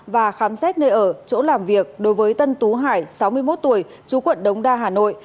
và khám xét nơi ở chỗ làm việc đối với tân tú hải sáu mươi một tuổi chú quận đống đa hà nội